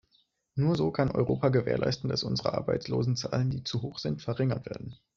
Nur so kann Europa gewährleisten, dass unsere Arbeitslosenzahlen, die zu hoch sind, verringert werden.